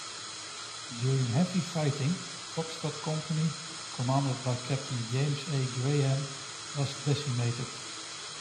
During heavy fighting Foxtrot Company, commanded by Captain James A. Graham, was decimated.